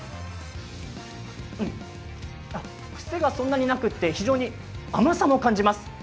くせがそんなになくて非常に甘さも感じます。